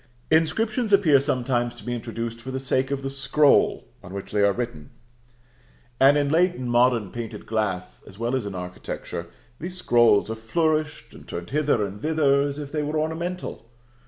Inscriptions appear sometimes to be introduced for the sake of the scroll on which they are written; and in late and modern painted glass, as well as in architecture, these scrolls are flourished and turned hither and thither as if they were ornamental.